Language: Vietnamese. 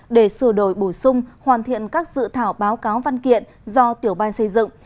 để sửa đổi bổ sung hoàn thiện các dự thảo báo cáo văn kiện do tiểu ban xây dựng